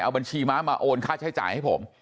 เอาบัญชีม้ามาโอนค่าใช้จ่ายให้ผม